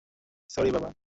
Sorry, বাবা।